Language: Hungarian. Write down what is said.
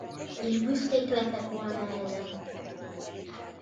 És büszkék lettek volna erre.